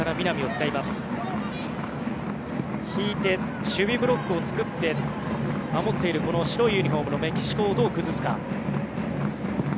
引いて守備ブロックを作って守っている白いユニホームのメキシコをどう崩すか。